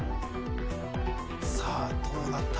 さあどうなった？